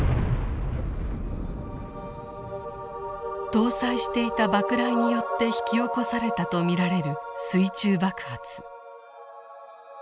搭載していた爆雷によって引き起こされたと見られる水中爆発。